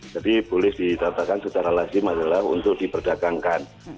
jadi boleh ditatakan secara lazim adalah untuk diperdagangkan